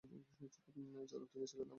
এছাড়াও তিনি ইসরায়েলের নাগরিক।